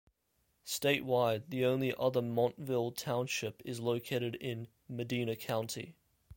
Statewide, the only other Montville Township is located in Medina County.